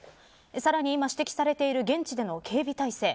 さらに今、指摘されている現地での警備体制。